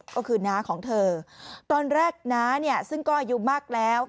ก็คือน้าของเธอตอนแรกน้าเนี่ยซึ่งก็อายุมากแล้ว